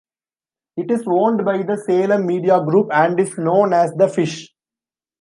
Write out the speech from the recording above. It is owned by the Salem Media Group and is known as "The Fish".